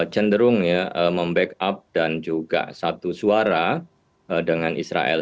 cenderung ya membackup dan juga satu suara dengan israel